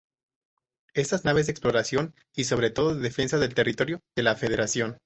Estas naves de exploración y, sobre todo, de defensa del territorio de la Federación.